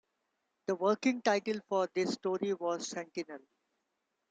The working title for this story was "Sentinel".